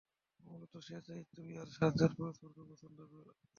মূলত সে চায় তুই আর সাজ্জাদ পরষ্পরকে পছন্দ কর।